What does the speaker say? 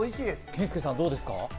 健介さん、どうですか？